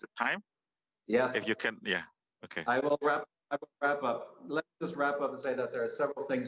saya akan menyambung saya akan menyambung dan mengatakan bahwa ada beberapa hal yang harus dihatikan